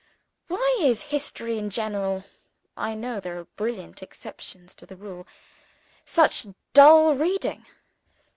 Why is History in general (I know there are brilliant exceptions to the rule) such dull reading?